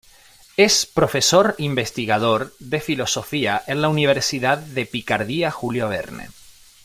Es profesor-investigador de Filosofía en la Universidad de Picardía Julio Verne.